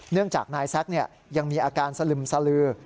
เนื่องจากนายแซ็กยังมีอาการสลึมสลือ